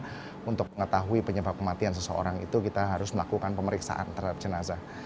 nah untuk mengetahui penyebab kematian seseorang itu kita harus melakukan pemeriksaan terhadap jenazah